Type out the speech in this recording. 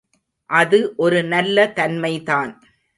அது ஒரு நல்ல தன்மைதான்.